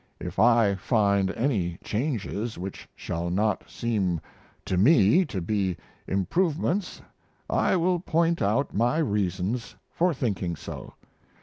If I find any changes which shall not seem to me to be improvements I will point out my reasons for thinking so.